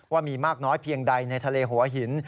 ว่ามีมากน้อยเพียงใดในทะเลหัวหิน